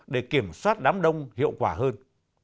để kiểm soát đám đông hiệu quả hơn